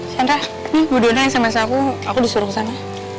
chandra nih bu duna yang sama sama aku aku disuruh kesana